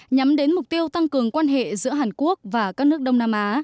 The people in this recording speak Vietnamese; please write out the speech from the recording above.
nhắm đến mục tiêu tăng cường quan hệ giữa hàn quốc và các nước đông nam á